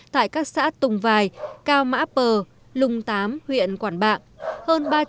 tại các xã tùng vài cao mã pờ lùng tám huyện quản bạc